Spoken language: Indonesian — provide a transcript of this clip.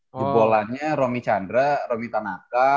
jebolanya romy chandra romy tanaka